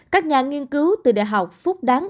các nhà nghiên cứu từ đh phúc đắng